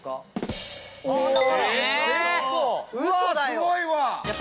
うわすごいわ！